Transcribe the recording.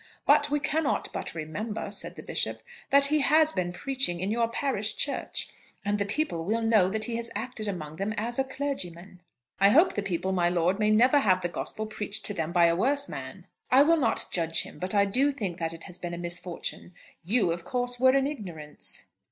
"But we cannot but remember," said the Bishop, "that he has been preaching in your parish church, and the people will know that he has acted among them as a clergyman." "I hope the people, my lord, may never have the Gospel preached to them by a worse man." "I will not judge him; but I do think that it has been a misfortune. You, of course, were in ignorance."